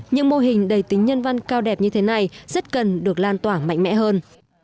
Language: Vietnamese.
những mô hình đầy tính nhân văn cao đẹp như thế này rất cần được lan tỏa mạnh mẽ hơn